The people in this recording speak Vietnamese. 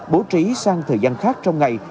bố trí sang thời gian khác trong ngày